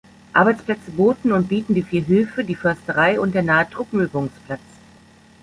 Arbeitsplätze boten und bieten die vier Höfe, die Försterei und der nahe Truppenübungsplatz.